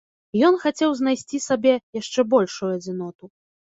Ён хацеў знайсці сабе яшчэ большую адзіноту.